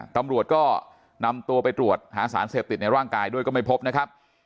ตำรวจก็นำตัวไปตรวจหาสารเสพติดในร่างกายด้วยก็ไม่พบนะครับ